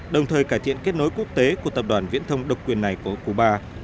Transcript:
đồng thời cải thiện kết nối quốc tế của tập đoàn viễn thông độc quyền này của cuba